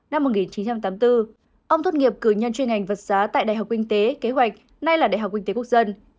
năm một nghìn chín trăm tám mươi bốn ông thuật nghiệp cử nhân chuyên ngành vật giá tại đại học quyên tế kế hoạch nay là đại học quyên tế quốc dân